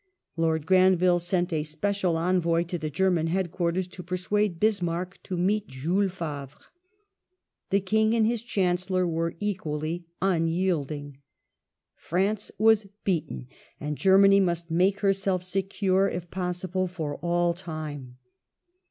Lord Granville sent a special envoy to the German head quarters to persuade Bismarck to meet Jules Favre. The King and his Chancellor were equally unyielding. France was beaten and Germany must make herself secure, if possible, for all time.